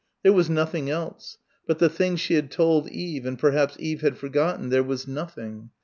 There was nothing else but the things she had told Eve and perhaps Eve had forgotten ... there was nothing.